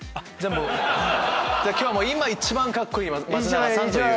今日はもう今一番カッコいい松永さんという？